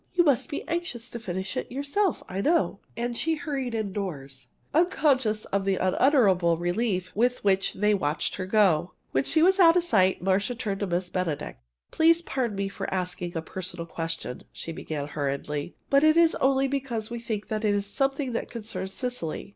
You must be anxious to finish it yourself, I know." And she hurried indoors, unconscious of the unutterable relief with which they watched her go. When she was out of sight, Marcia turned to Miss Benedict. "Please pardon me for asking a personal question," she began hurriedly, "but it is only because we think it is something that concerns Cecily.